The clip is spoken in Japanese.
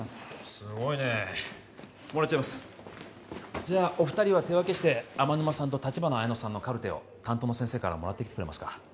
すごいねもらっちゃいますじゃあお二人は手分けして天沼さんと立花彩乃さんのカルテを担当の先生からもらってきてくれますか？